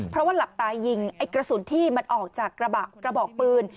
เพราะว่าหลับตายิงไอ้กระสุนที่มันออกจากกระบะกระบอกปืน